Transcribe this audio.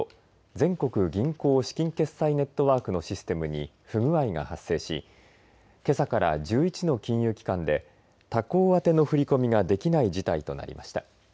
全国銀行資金決済ネットワークのシステムに不具合が発生しけさから１１の金融機関で他行宛ての振り込みができない事態となりました。